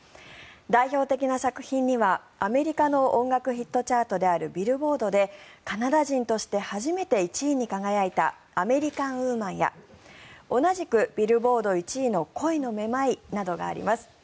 代表的な作品には、アメリカの音楽ヒットチャートであるビルボードでカナダ人として初めて１位に輝いた「アメリカン・ウーマン」や同じくビルボード１位の「恋のめまい」などがあります。